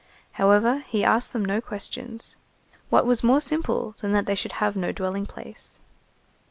However, he asked them no questions. What was more simple than that they should have no dwelling place!